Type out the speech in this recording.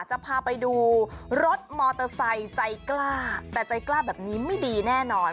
จะพาไปดูรถมอเตอร์ไซค์ใจกล้าแต่ใจกล้าแบบนี้ไม่ดีแน่นอน